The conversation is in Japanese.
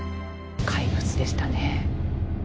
怪物でしたね。